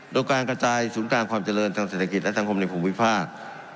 โดยการกระจายศูนย์กลางความเจริญทางเศรษฐกิจและสังคมในภูมิภาค